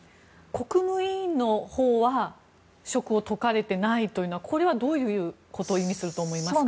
国務委員のほうは職を解かれてないというのはどういうことを意味すると思いますか？